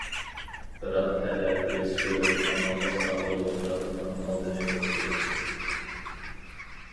بىراق تەلەتى سۆرۈن ئامانلىق ساقلىغۇچىلار ئۇنىڭ ئالدىنى توستى.